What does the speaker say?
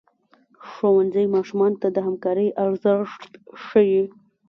ښوونځی ماشومانو ته د همکارۍ ارزښت ښيي.